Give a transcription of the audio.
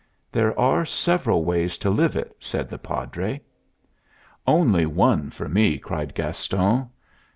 "There are several ways to live it," said the Padre. "Only one for me!" cried Gaston.